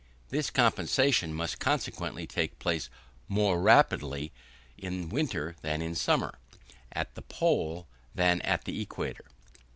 This compensation must consequently take place more rapidly in winter than in summer, at the pole than at the equator.